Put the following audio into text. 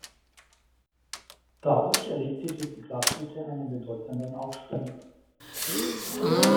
Dadurch erlebte diese Glashütte einen bedeutenden Aufschwung.